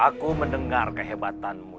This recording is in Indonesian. aku mendengar kehebatanmu